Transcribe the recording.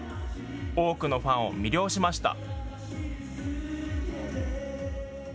多くのファンを魅了しました。